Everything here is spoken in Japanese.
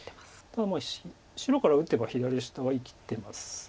ただ白から打てば左下は生きてますか？